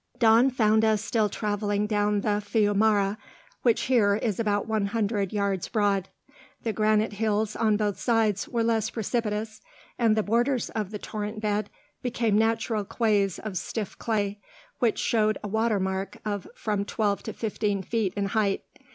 Dawn found us still traveling down the fiumara, which here is about one hundred yards broad. The granite hills on both sides were less precipitous, and the borders of the torrent bed became natural quays of stiff clay, which showed a water mark of from twelve to fifteen feet in height.